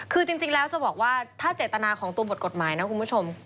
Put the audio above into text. คือจริงแล้วจะบอกว่าถ้าเจตนาของตัวบทกฎหมายนะคุณผู้ชม